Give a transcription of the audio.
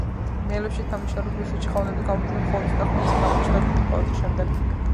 მალევიჩის ნამუშევრები რუსეთში ხელოვნების გამოფენებზე მხოლოდ ცოტა ხნის წინ გამოჩნდა დიდი პაუზის შემდეგ.